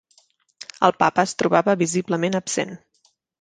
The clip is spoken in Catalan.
El Papa es trobava visiblement absent.